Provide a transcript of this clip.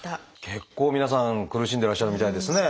結構皆さん苦しんでらっしゃるみたいですね。